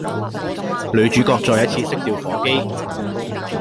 女主角再一次熄掉火機